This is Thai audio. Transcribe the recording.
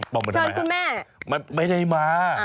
บอกมันทำไมฮะมันไม่ได้มาเชิญคุณแม่